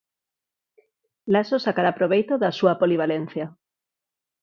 Laso sacará proveito da súa polivalencia.